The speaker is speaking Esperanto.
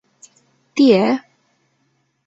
Tie?